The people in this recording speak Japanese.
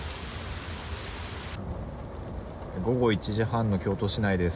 午後１時半の京都市内です。